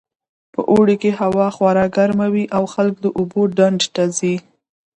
په اوړي کې هوا خورا ګرمه وي او خلک د اوبو ډنډ ته ځي